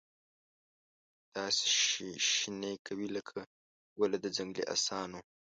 داسي شیشنی کوي لکه ګله د ځنګلې اسانو